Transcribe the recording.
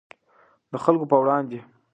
د خلکو په وړاندې.